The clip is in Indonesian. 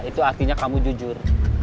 itu artinya kamu jujur